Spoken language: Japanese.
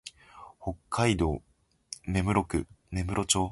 北海道芽室町